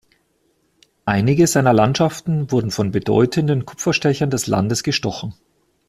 Einige seiner Landschaften wurden von bedeutenden Kupferstechern des Landes gestochen.